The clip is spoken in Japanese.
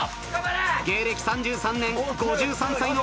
芸歴３３年５３歳の岡村隆史。